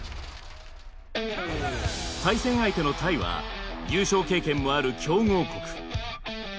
対戦相手のタイは優勝経験もある強豪国。